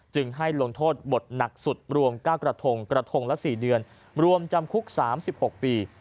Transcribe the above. ให้ลงโทษบทหนักสุดรวม๙กระทงกระทงละ๔เดือนรวมจำคุก๓๖ปี